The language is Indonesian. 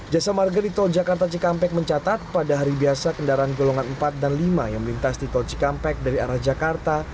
jasa marga di tol jakarta cikampek mencatat pada hari biasa kendaraan golongan empat dan lima yang melintas di tol cikampek dari arah jakarta